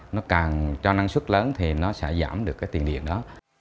nó càng cho năng suất lớn thì nó sẽ giảm được cái tiền điện đó